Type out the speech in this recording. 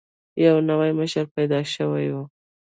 یو نوی مشر پیدا شوی وو.